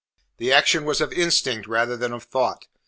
The action was of instinct rather than of thought.